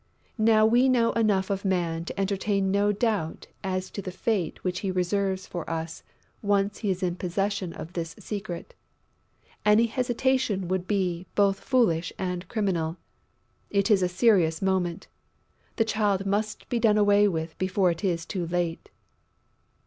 Now we know enough of Man to entertain no doubt as to the fate which he reserves for us, once he is in possession of this secret.... Any hesitation would be both foolish and criminal.... It is a serious moment; the child must be done away with before it is too late...."